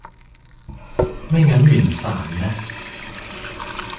ไม่งั้นหมิ่นศาลนะ